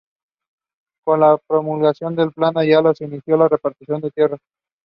The story and screenplay are complete let downs.